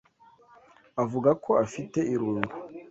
Avuga ko afite irungu.